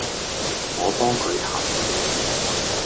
我幫佢談判